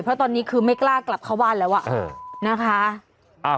เพราะว่าค่ะว่าอะไรวะ